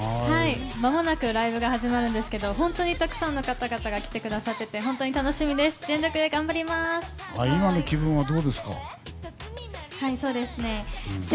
まもなくライブが始まるんですけど本当にたくさんの方々が来てくださっていて本当に楽しみです。